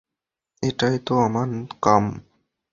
এটাই তো আমার কাম।